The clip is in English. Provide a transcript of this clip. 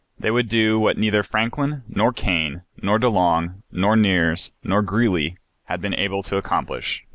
They would do what neither Franklin, nor Kane, nor De Long, nor Nares, nor Greely had been able to accomplish.